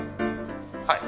はい。